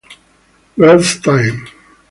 Girls Tyme.